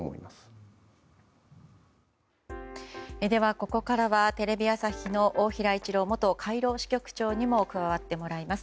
ここからはテレビ朝日の大平一郎元カイロ支局長にも加わってもらいます。